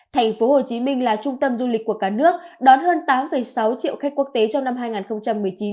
tp hcm là trung tâm du lịch của cả nước đón hơn tám sáu triệu khách quốc tế trong năm hai nghìn một mươi chín